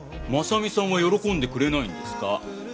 真実さんは喜んでくれないんですか？